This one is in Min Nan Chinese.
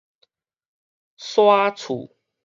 徙厝